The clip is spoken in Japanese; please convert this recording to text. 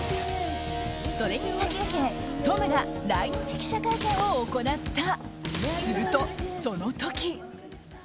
それに先駆けトムが来日記者会見を行った。